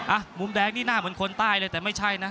มุมแดงนี่หน้าเหมือนคนใต้เลยแต่ไม่ใช่นะ